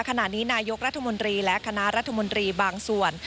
ขณะนี้นายกรัฐมนตรีและคณะรัฐมนตรีบางส่วน